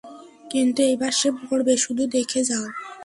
কিন্তু এইবার সে মরবে, শুধু দেখে যাও।